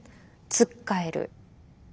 つっかえる。